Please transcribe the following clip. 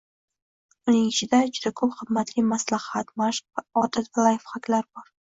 Uning ichida juda ko‘plab qimmatli maslahat, mashq, odat va layfxaklar bor